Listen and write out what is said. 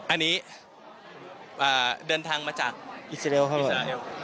อันนี้เดินทางมาจากอิสราเอลครับ